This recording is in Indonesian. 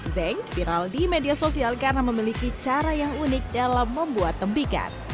zeng viral di media sosial karena memiliki cara yang unik dalam membuat tembikar